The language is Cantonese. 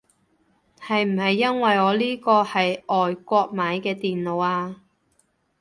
係唔係因為我呢個係外國買嘅電腦啊